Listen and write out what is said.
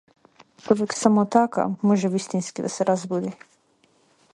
Човек само така може вистински да се разбуди.